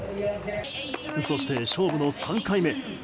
そして勝負の３回目。